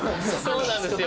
そうなんですよ。